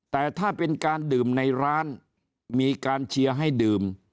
แต่ถ้าเป็นการดื่มในร้านมีการเชียร์ให้ดื่ม